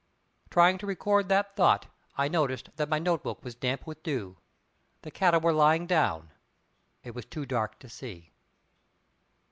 Trying to record that thought, I noticed that my note book was damp with dew. The cattle were lying down. It was too dark to see.